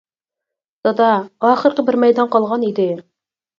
-دادا، ئاخىرقى بىر مەيدان قالغان ئىدى.